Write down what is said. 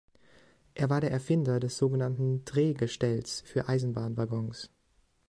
Er war der Erfinder des sogenannten „Drehgestells“ für Eisenbahnwaggons.